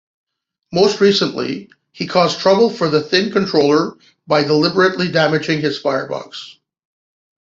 Most recently, he caused trouble for the Thin Controller by deliberately damaging his firebox.